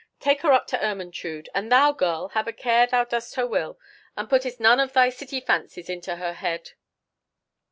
Take her up to Ermentrude; and thou, girl, have a care thou dost her will, and puttest none of thy city fancies into her head."